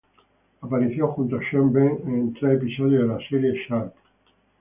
Apareció junto a Sean Bean en tres episodios de la serie "Sharpe".